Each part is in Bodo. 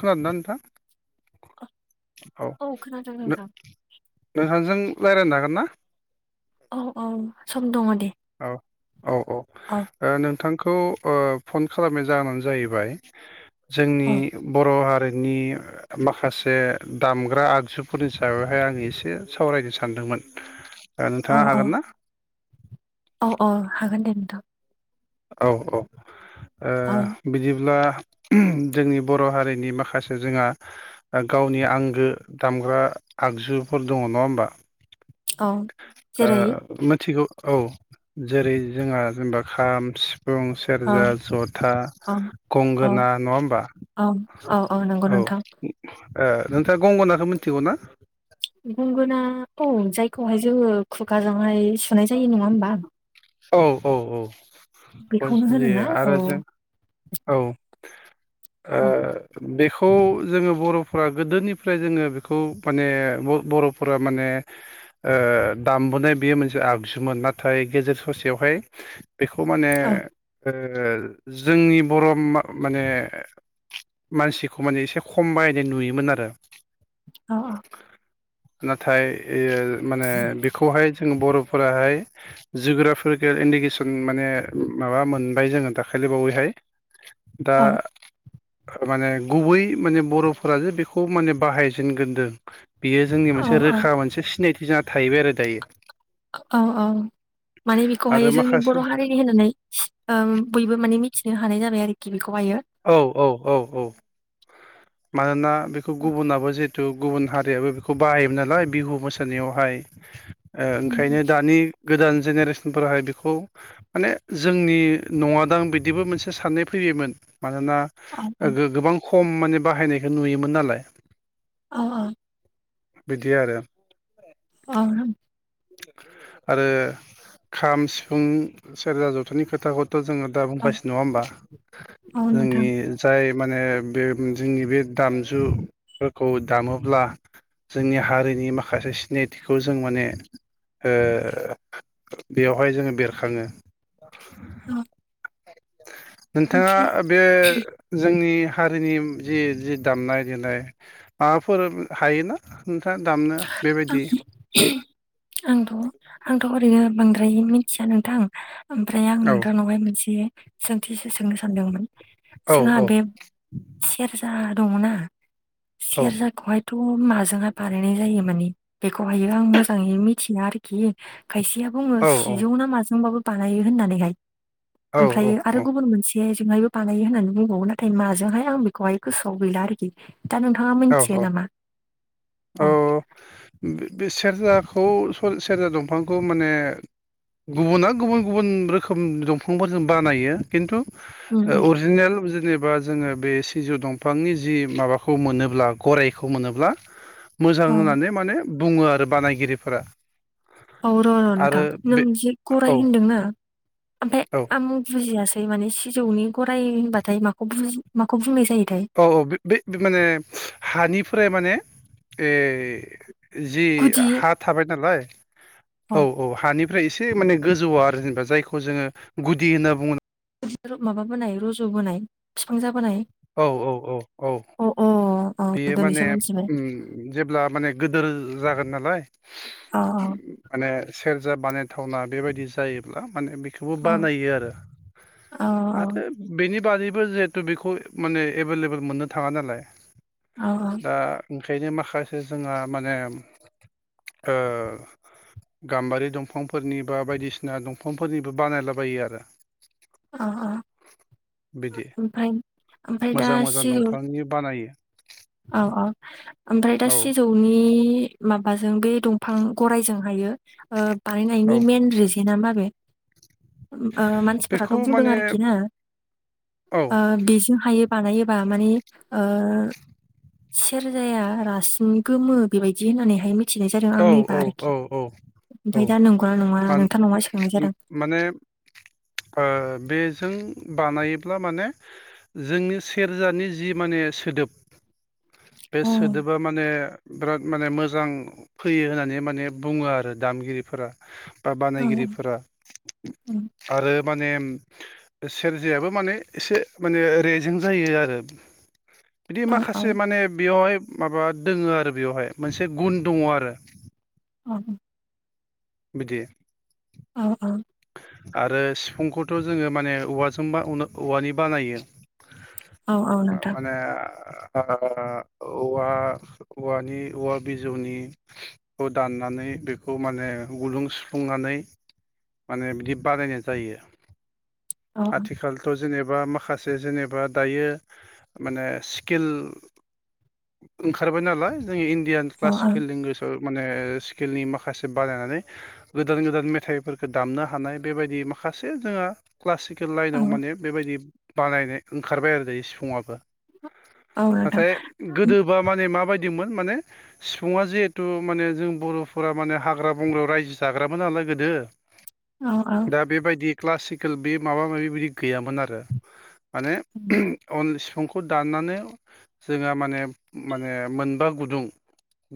खोनादोंना नोंथां? औ खोनादों नोंथां नों-नोंथांजों रायलायनो हागोन ना? औ औ सम दङ' दे औ औ औ ओ नोंथां खौ ओ फन खालामनाय जाहोनानो जाहैबाय जोंनि औ बर' हारि नि माखासे दामग्रा आगजुफोरनि सायावहाय आं एसे सावरायनो सानदोंमोन। दा औ नोंथाङा औ हागोन ना? औ औ हागोन दे नोंथ' औ औ ओ औ बिदिब्ला जोंनि बर' हारिनि माखासे जोंहा गावनि आंगो दामग्रा आगजुफोर दङ' नङा होमबा? औ ओ जेरै मिथिगौ औ जेरै जोंहा जेनबा खाम, सिफुं, औ सेरजा, जथा, औ औ गंगोना नङा होमबा? औ औ नंगौ औ नोंथां ओ नोंथाङा गंगनाखौ मिथिगौ ना? गंगोना औ जायखौहाय जोङो खुगाजोंहाय सुनाय जायो नङा होमबा? औ औ औ खुगाजों बेखौनो सुजायो होनोना औ आरो जों औ ओ औ बे खौ जोङो बर'फोरा गोदोनिफ्राय जोङो बेखौ माने बर'-बर'फोरा माने ओ दामबोनाय बेयो मोनसे आगजुमोन नाथाय गेजेर ससेयावहाय बेखौ माने औ ओ जोंनि बर' मा-माने मानसिखौ माने एसे खम बाहायनाय नुयोमोन आरो। अ अ नाथाय ओ माने बेखौहाय जों बर'फोराहाय जुग्राफि केल इन्डिकेसन माने माबा मोनबाय जोङो दाखालि बावैहाय दा औ माने गुबै माने बर'फोराजे बेखौ माने बाहायजेनग्रोदों बेयो जोंनि मोनसे औ रोखा मोनसे सिनायथि जाना थाहैबाय आरो दायो। औ औ माने आरो बेखौहायो जोंनि माखासे बर' हारिनि होननानै ओ बयबो माने मि थिनो हानाय जाबाय आरोखि बेखौहायो। औ औ औ औ मानोना बेखौ गुबुनाबो जे तु गुबुन हारियाबो बेखौ बाहायोमोन नालाय बिहु मोसानायावहाय ओ ओंखायनो दानि गोदान जेनेरेसनफोराहाय बेखौ माने जोंनि न'ङादां बिदिबो मोनसे साननाय फैयो मोन मानोना औ गोबां खम माने बाहायनायखौ नुयोमोन नालाय। अ अ बिदि आरो औ आरो खाम सिफुं सेरजा जथानि खोथाखौ थ' जोङो दा औ बुंगासिनो नङा होमबा, औ नोंथां जोंनि जाय माने बे जोंनि बे दामजुफोरखौ दामोब्ला जोंनि हारिनि माखासे सिनायथिखौ जों माने ओ बेयावहाय जोङो बेरखाङो। औ नोंथाङा ओमफ्राय बे जोंनि हारिनि जि जि दामनाय देनाय माबाफोर हायोना नोंथाङा दामनो आं बेबायदि आंथ' आंथ' ओरैनो बांद्राय मिथिया नोंथां ओमफ्राय आं औ नोंथांनावहाय मोनसे सोंथिो सोंनो सानदोंमोन। औ जोंहा औ बे सेरजा दङनाा औ सेरजाखौहाय खौ' माजोंहाय बानायनाय जायो माने बेखौहायो आं मोजाङै मिथिया आरोखि खायसेया बुङो औ औ सिजौ ना माजोंबाबो बानायो होननानैहाय औ ओमफ्रायो आरो गुबुन मोनसे जेजोंहायबो बानायो होननानै बुंबावो नाथाय माजोंहाय आं बेखौहाय गोसोआव गैला आरोखि दा नोंथाङा औ मिथियो औ नामा औ बे सेरजाखौ सेरजा दंफांखौ माने गुबुना गुबुन गुबुन रोखोम दंफांफोरजों बानायो खिन्थु उम उम अरिजिनेल जेनेबा जोङो बे सिजौ दंफांनि जि माबाखौ मोनोबा ला गरायखौ मोनोब्ला मोजां औ होननानै माने बुङो आरो बानायगिरिफोरा औ र' र' नोंथां आरो नों बे जि गराय औ होनदोंनाा ओमफ्राय औ आं बुजियासै मफ्राय माने सिजौनि गराइ होनबाथाय माखौ माखौ बुंनाय जायो। औ औ बे माने हानिफ्राय माने जि गुदि हा थाबाय नालाय अ औ औ हानि बेफ्राय एसे माने गोजौवआ आरो जेनेबा जायखौ जोङो गुदि होनना बुङोब्ला बिदि माबाबोनाय रज' बोनाय बिफां जाबोनाय। औ औ औ औ अ अ अ बेयो माने दिनैसो मोनथिबाय जेब्ला माने गोदोर जागोन नालाय अ माने सेरजा बानायथावना बेबायदि जायोब्ला माने बेखौबो औ बानायो आरो औ आरो बेनि बारिबो जिहेथु बेखौ माने एभेलेबल मोननो थाङा नालाय औ दा ओंखायनो माखासे जोंहा माने ओ गाम्बारि दंफांफोरनि बा बायदिसिना दंफांफोरनिबो बानायलाबायो आरो अ बिदि ओमफ्राय ओमफ्राय दा मोजां मोजां सिजौ दंफांनि बानायो औ औ ओमफ्राय दा औ सिजौनि माबा माबाजों बे दंफां गरायजों हायो औ बानायनायनि मइेन रिजना म बे मानसिफोराथ' बेखौ बुंदों माने आरोखि न औ बेजों हायो बानायोबा मानिे सेरजाया रासिन गोमो बेबायदि होननानैहाय मिथि मिथिनाय जादों औ आंनिबा औ आरोखि औ औ औ ओमफ्राय दा नंगौना नङा नोंथां नङा सोखांनाय जादों। माने ओ बेजों बानायोब्ला माने जोंनि सेरजानि जि माने सोदोब बे औ सोदोबा माने ब्राद माने मोजां फैयो होननानै माने बुङो आरो दामगिरिफोरा। बा औ बानायगिरिफोरा औ आरो माने उम सेरजायाबो माने एसे माने रेजें जायो आरो बिदि औ औ माखासे माने बेवहाय माबा दोङो आरो बेवहाय मोनसे गुन दङ आरो [inaudible] [inaudible] बिदि अ अ आरो सिफुंखौथ जोङो माने औवाजों बा अनो औवानि बानायो। औ औ ओ नोंथां माने ओ ओ औवा ओ औवानि औवा बिजौनि खौ दाननानै बेखौ माने गुदुं सुफ्लुंनानै माने बिदि बानायनाय जायो औ आथिखाल थ जेनेबा माखासे जेनेबा दायो माने स्किल ओंखारबाय नालाय जोंनि इण्डियान औ क्लासिकेल लेंगुवेजाव माने स्किलनि माखासे बानायनानै गोदान गोदान मेथाइफोरखौ दामनो हानाय बेबायदि माखा खासे जोङा क्लासिकेल औ लाइनाव माने बेबायदि बानायनाय ओंखारबाय आरो दायो सिफुंआबो। औ नोंथां। गोदो बा माने माबा बादिमोन माने सिफुङा जिहेतु माने जों बर'फोरा माने हाग्रा बंग्रायाव रायजो जाग्रामोन नालाय गोदो। औ औ दा बेबायदि क्लासिकेल बे माबा माबि बिदि गैयामोन आरो। माने अन सिफुंखौ दाननानै जोङा माने माने मोनबा गुदुं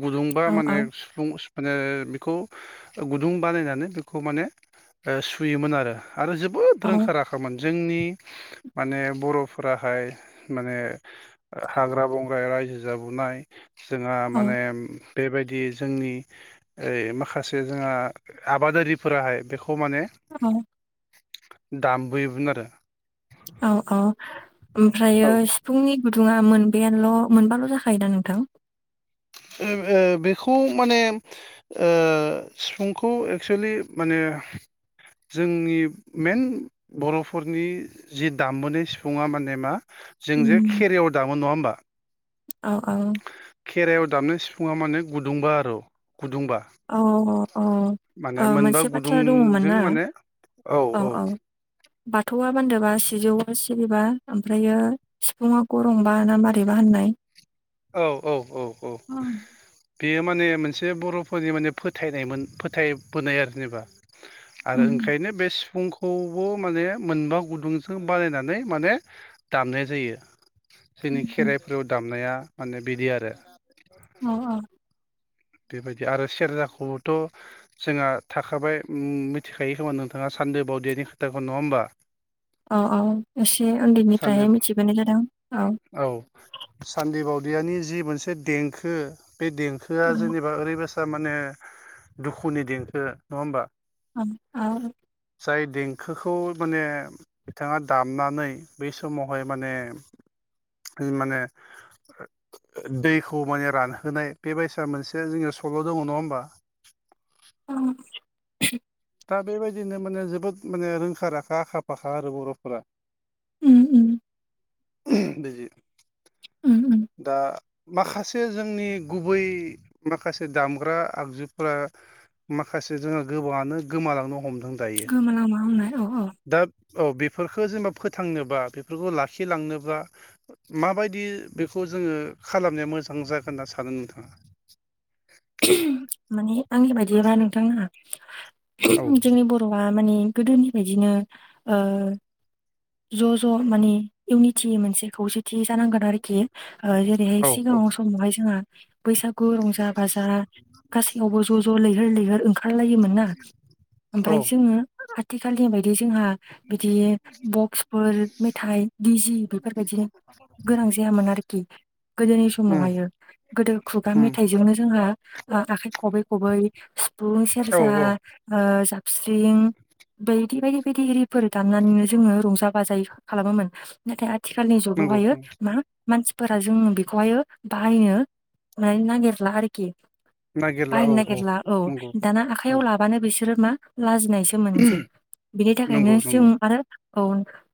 गुदुंबा औ माने सिफुं सि माने बेखौ गुदुं बानायनानै बेखौ माने ओ सुयोमोन आरो। आरो जोबोद रोंखा राखा मोन। जोंनि माने बर'फोराहाय माने हाग्रा बं ग्रा रायजो जाबोनाय जोंहा औ माने बेबायदि जोंनि ओइ माखासे जोंहा आबादारिफोराहाय बेखौ माने दामबोयोमोन आरो। औ औ औ ओमफ्रायो ओ सिफुंनि गुदुङा मोनबायानोल' मोनबाल' जाखायोदा नोंथां? ओं ओ बेखौ माने ओ सिफुंखौ एक्सुेलि माने [inaudible] जोंनि मेन बर'फोरनि जि दामबोनाय सिफुङा माने मा जों जे उम, खेरियाव दामो नङा होमबा? औ औ खेराइयाव दामनाय सिफुंआ माने गुदुंबा आरु गुदुंबा औ औ औ माने मोनबा मोनसे बाथ्रा दङमोन गुदुंजों ना माने औ औ बाथौआ बान्दोबा सिजौआ सि रिबा ओमफ्रायो सिफुुंआ गंरंबा ना मारैबा होननाय औ औ औ औ उम, बेयो माने मोनसे बर'फोरनि माने फोथायनायमोन फोथायबोनाय आरो जेनेबा। आरो उम, ओंखायनो बे सिफुंख खौबो माने मोनबा गुदुंजों बानायनानै माने दामनाय जायो। उम, जोंनि उम, खेराइफोराव दामनाया माने बिदि आरो। अ अ बेबायदि आरो सेरजाखौबोथ' जोंहा थाखाबाय मिथिखायो खोमा नोंथाङा सा न्दो बावदियानि खोथाखौ नङा होमबा? सान्दो उन्दैनिफ्राय मिथिबोनाय जादों औ। सान्दि बावदियानि जि मोनसे देंखो बे देंखोआ जेनेबा ओरैबायसा थारमाने दुखुनि देंखो नङा होमबा? उम औ जाय देंखोखौ माने बिथाङा दामनानै बै समावहाय माने माने दैखौ माने रानहोनाय बेबायसा मोनसे जोंनियाव सल' दङ नङा होमबा। [inaudible] दा बेबायदिनो माने जोबोद माने रों उम उम। [unintelligible] औ दा माखासे जोंनि गुबै माखासे दामग्रा आगजुफ्रा माखासे जोंहा गोबाङानो गोमालांनो हमदों दायो गोमोनांमा होननाय औ औ दा औ बेफोरखो जेनेबा फोथांनोबा बेफोरखौ लाखिलांनोबा माबायदि बेखौ जोङो खालामनाया मोजां जागोन होनना सानो नोंथाङा? माने आंनि बायदिबा नोंथाङा औ जोंनि बर'आ माने गोदोनि बायदिनो ओ ज' ज' माने इउनिटि मोनसे खौसे थि जानांगोन आरोखि ओ जेरैहाय औ औ सिगाङाव समावहाय जोंहा बैसागु रंजा बाजा गासैयावबो ज' ज' लैहोर लैहोर ओंखारलायोमोनना। औ ओमफ्राय जोङो आथिखालनि बायदि जोंहा बिदि बक्सफोर मेथाइ डि जि बेफोरबायदिनो गोनां जायामोन आरोखि गोदोनि उम समावहायो गोदो खुगा उम मेथाइजोंनो जोंहा ओ आखाइ खबै खबै सिफुं औ सेरजा औ ओ जाबस्रिं बायदि बायदि बायदि रिफोर दाननानैनो जोङो रंजा बाजाय खालामोमोन नाथाय आथ थिखालनि नंगौ जुगावहायो नंगौ मा मानसि फोरा जोंङो बेखौहाय बाहायनो माने नागिरला आरोखि। नागिरला बाहायनो औ नागिरला औ नंगौ दाना आखाइयाव लाबानो बेसो बिसोर मा लाजिनायसो मोनसै बिनि थाखायनो नंगौ जों नंगौ आरो औ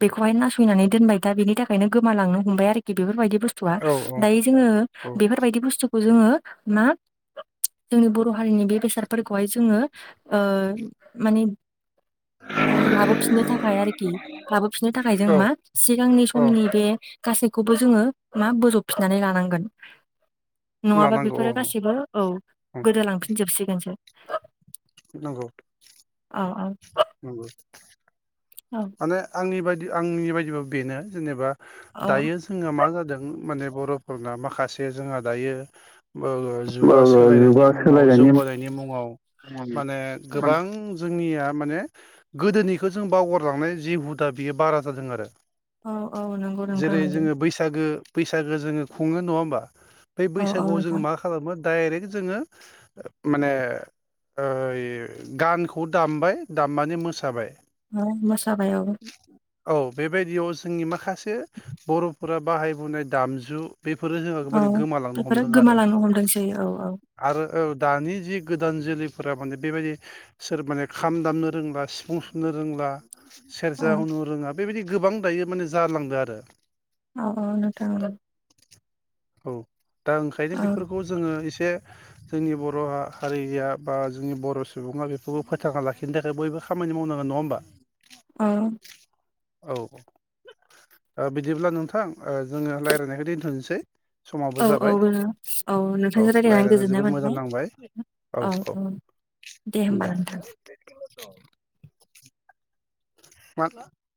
बेखौहाय नासयनानै दोनबाय दा बेनि थाखायनो गोमालांनो हमबाय आरोखि बेफोरबायदि बुसतुआ औ औ दायो जोङो औ बेफोरबायदि बुसथुखौ जोङो मा जोंनि बर' हारिनि बे बेसादफोरखौहाय जोङो ओ माने [inaudible] ओ लाबोफिननो थाखाय आरोखि लाबोफिननो थाखाय जों औ मा सिगांनि औ समनि बे गासैखौबो जोङो मा बोजबफिननानै लानांगोन नङाबा बे लानांगौ औ बेफोरो गासिबो औ औ गोदोलांफिनजोबसिगोनसो। नंगौ औ औ नंगौ। औ माने आंनि बायदि आंनि बायदिबो बेनो जेनेबा औ दायो जोङो मा जादों माने बर'फोरना माखासे जोंहा दायो ओ जुगा सोलायनायनि जुगा मुङाव सोलायनायनि मुं जौगानायनि मुङाव माने गोबां जों जोंनिया माने गोदोनिखो जों बावगारलांनाय जि हुदा बेयो बारा जादों आरो। औ औ नंगौ नोंथां जेरै नंगौ जोङो बैसागो बैसागो जोङो खुङो नङा होमबा बै औ औ बैसागोआव जोंङो नोंथां मा खालामो डायरेक्ट जोङो माने ओइ गानखौ दामबाय दामनानै मोसाबाय। अ मोसाबाय औ। औ बेबायदियाव जोंनि माखासे बर'फोरा बाहायबोनाय दामजु बेफोरो जोंहा औ माने गोमालांनो बेफोरो हमदों आरो गोमालांनो हमदोंसै औ औ आरो औ दानि जि गोदान जोलैफोरा माने बेबायदि सोर माने खाम दामनो रोंला सिफुं सुनो रोंला औ सेरजा हुननो रोङा बेबायदि गोबां दायो माने जालांदों आरो। औ औ नोंथां औ। औ दा ओंखायनो औ बेफोरखौ जोङो एसे जोंनि बर' हारिया बा जोंनि बर' सुबुङा बेफोरखौ फोथांना लाखिनो थाखाय बयबो खामा खामानि मावनांगोन नङा होमबा? औ। औ ओ बिदिब्ला नोंथां ओ जोङो रायलायनायखौ दोनथ'नोसै। समाबो औ औ जाबाय औ नोंथांजों रायज्लायनानै रायज्लायना गोजोननाय जोबोद मोजां मोनबाय। औ औ। उम होमबा दे। नोंथां मा